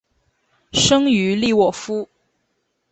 生于利沃夫。